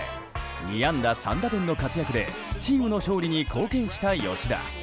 ２安打３打点の活躍でチームの勝利に貢献した吉田。